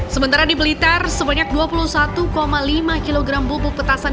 sementara di blitar sebanyak dua puluh satu lima kg bubuk petasan